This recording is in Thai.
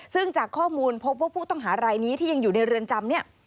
ซึ่งจากข้อมูลพบว่าผู้ต้องหารายนี้ที่ยังอยู่ในเรือนจำเนี่ย